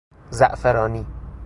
زعفرانی